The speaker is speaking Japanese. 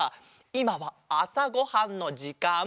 いまはあさごはんのじかん。